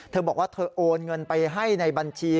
เธอบอกว่าเธอโอนเงินไปให้ในบัญชี